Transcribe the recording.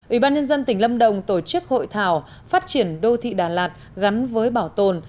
ủy ban nhân dân tỉnh lâm đồng tổ chức hội thảo phát triển đô thị đà lạt gắn với bảo tồn